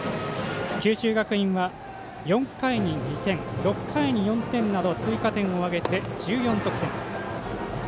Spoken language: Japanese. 九州学院は４回に２点６回に４点など追加点を挙げて１４得点。